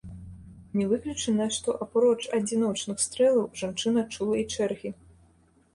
Не выключана, што апроч адзіночных стрэлаў, жанчына чула і чэргі.